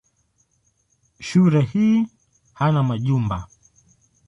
Shule hii hana majumba.